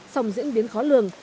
sòng diễn biến khó lường